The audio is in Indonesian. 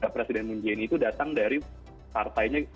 presiden moon jae in itu datang dari partainya